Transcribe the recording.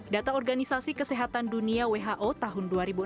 data organisasi kesehatan dunia who tahun dua ribu enam belas